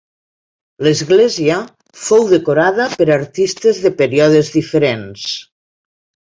L'església fou decorada per artistes de períodes diferents.